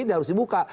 yang harus dibuka